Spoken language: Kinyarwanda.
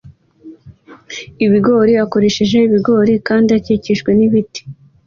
ibigori akoresheje ibigori kandi akikijwe nibiti